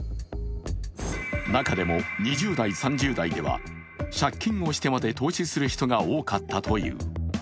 中でも２０代、３０代では借金をしてまで投資する人が多かったという。